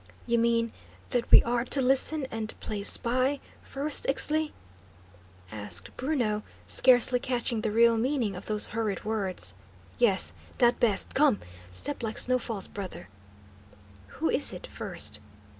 "You mean that we are to listen and play spy, first, Ixtli?" asked Bruno, scarcely catching the real meaning of those hurried words. "Yes. Dat best. Come; step like snow falls, brother." "Who is it, first?"